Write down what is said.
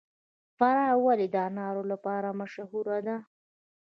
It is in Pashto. فراه ولې د انارو لپاره مشهوره ده؟